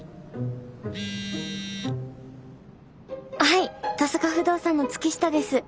はい登坂不動産の月下です。